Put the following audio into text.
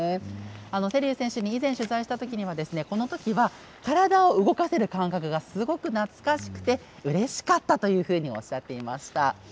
瀬立選手に以前、取材したときに体を動かせる感覚がすごく懐かしくてうれしかったというふうにおっしゃっていました。